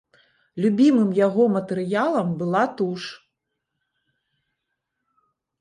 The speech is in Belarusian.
Любімым яго матэрыялам была туш.